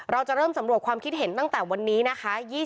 เราจะเริ่มสำรวจความคิดเห็นตั้งแต่วันนี้นะคะ